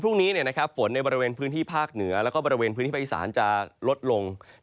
พรุ่งนี้ฝนในบริเวณพื้นที่ภาคเหนือแล้วก็บริเวณพื้นที่ภาคอีสานจะลดลง